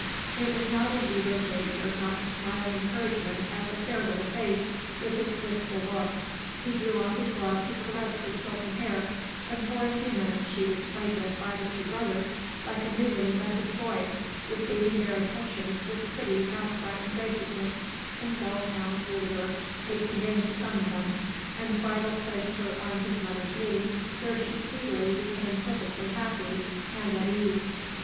It was not in Ebbo's nature not to smile encouragement at the fair little face, with its wistful look. He drew off his glove to caress her silken hair, and for a few minutes she was played with by the two brothers like a newly invented toy, receiving their attentions with pretty half frightened graciousness, until Count Rudiger hastened in to summon them, and Friedel placed her on his mother's knee, where she speedily became perfectly happy, and at ease.